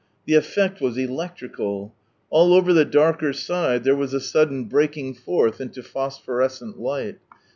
The effect was electrical. All over the darker side, there was a sudden breaking forth into phosphorescent light.